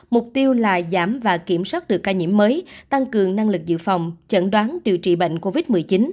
mục tiêu là giảm và kiểm soát được ca nhiễm mới tăng cường năng lực dự phòng chẩn đoán điều trị bệnh covid một mươi chín